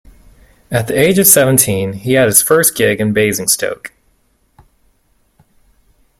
At the age of seventeen he had his first gig in Basingstoke.